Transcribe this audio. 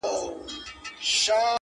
له شاعره روزمره خبریال جوړوي